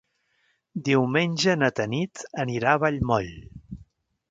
Diumenge na Tanit anirà a Vallmoll.